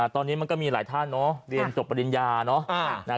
ตอนนี้มันก็มีหลายท่านเรียนจบปฏิญญา